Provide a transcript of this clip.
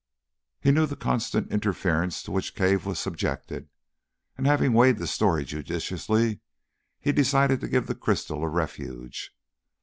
He knew the constant interference to which Cave was subjected, and having weighed the story judicially, he decided to give the crystal a refuge.